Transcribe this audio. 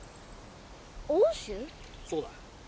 そうだ。